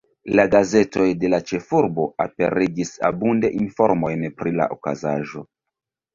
La gazetoj de la ĉefurbo aperigis abunde informojn pri la okazaĵo.